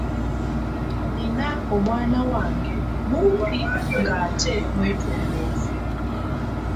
Nina omwana wange mumpi ng’ate mwetooloovu.